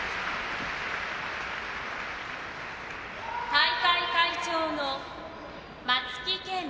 大会会長の松木健